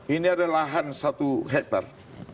ini ada lahan satu hektar